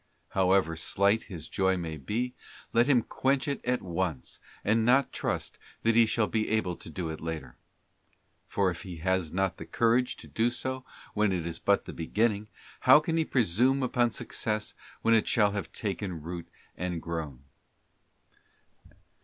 However slight his joy may be, let him quench it at once, and not trust that he shall be able to do it later; for if he has not the courage to do so when it is but beginning, how can he presume upon success when it shall have taken root and grown?